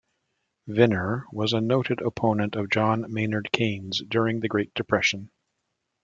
Viner was a noted opponent of John Maynard Keynes during the Great Depression.